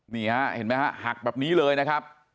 นี่ฮะเห็นมั้ยฮะหักแบบนี้เลยนะครับ